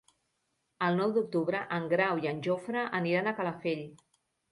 El nou d'octubre en Grau i en Jofre aniran a Calafell.